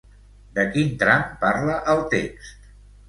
De quin tram parla el text?